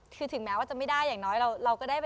คือถึงแม้ว่าจะไม่ได้อย่างน้อยเราก็ได้แบบ